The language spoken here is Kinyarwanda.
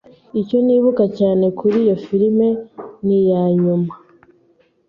Icyo nibuka cyane kuri iyo firime ni iyanyuma.